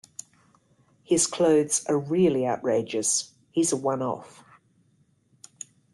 His clothes are really outrageous. He's a one-off